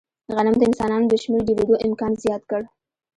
غنم د انسانانو د شمېر ډېرېدو امکان زیات کړ.